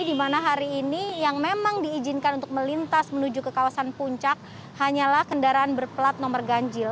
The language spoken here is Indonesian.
jadi di mana hari ini yang memang diizinkan untuk melintas menuju ke kawasan puncak hanyalah kendaraan berplat nomor ganjil